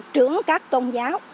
trưởng các tôn giáo